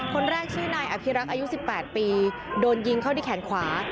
คนแรกชื่อนายอภิรักษ์อายุ๑๘ปีโดนยิงเข้าที่แขนขวา